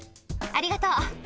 ありがとう。